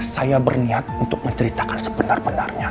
saya berniat untuk menceritakan sebenarnya